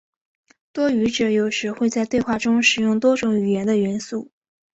多语者有时会在对话中使用多种语言的元素。